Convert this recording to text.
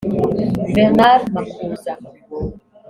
Bernard Makuza